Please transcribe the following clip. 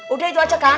udah itu aja kan